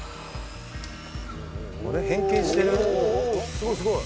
すごいすごい。